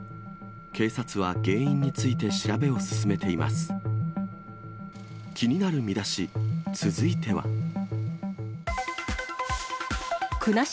警察は、原因について調べを進めています。